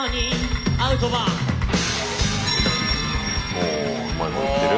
おうまいこといってる？